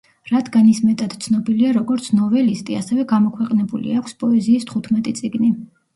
რადგან ის მეტად ცნობილია, როგორც ნოველისტი ასევე გამოქვეყნებული აქვს პოეზიის თხუთმეტი წიგნი.